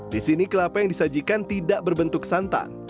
di sini kelapa yang disajikan tidak berbentuk santan